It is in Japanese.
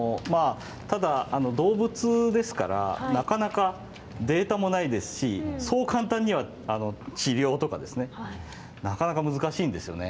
ただ動物ですからなかなかデータもないですしそう簡単には治療とかですねなかなか難しいんですよね。